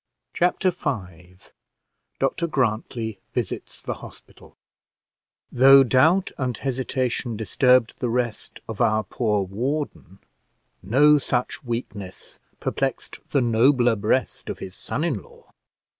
Chapter V DR GRANTLY VISITS THE HOSPITAL Though doubt and hesitation disturbed the rest of our poor warden, no such weakness perplexed the nobler breast of his son in law.